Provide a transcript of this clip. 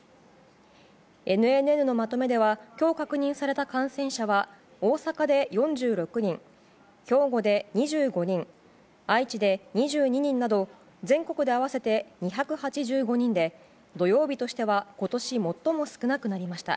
ＮＮＮのまとめでは今日確認された感染者は大阪で４６人、兵庫で２５人愛知で２２人など全国で合わせて２８５人で土曜日としては今年最も少なくなりました。